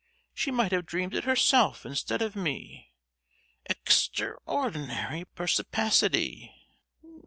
She might have dreamed it herself, instead of me. Ex—traordinary perspicacity!